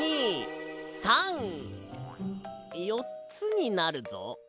１２３よっつになるぞ。